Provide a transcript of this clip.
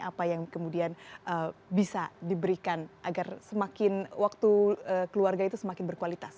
apa yang kemudian bisa diberikan agar semakin waktu keluarga itu semakin berkualitas